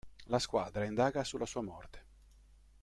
La squadra indaga sulla sua morte.